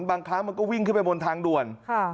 บางครั้งมันก็วิ่งขึ้นไปบนทางด่วน